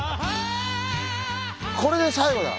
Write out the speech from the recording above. これで最後だ！